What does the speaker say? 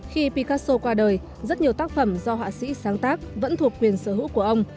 khi picaso qua đời rất nhiều tác phẩm do họa sĩ sáng tác vẫn thuộc quyền sở hữu của ông